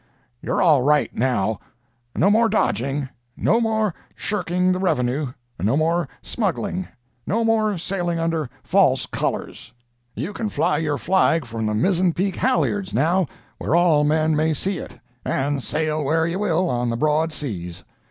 —You're all right now. No more dodging—no more shirking the revenue—no more smuggling—no more sailing under false colors. You can fly your flag from the mizzen peak halliards now, where all men may see it, and sail where ye will on the broad seas.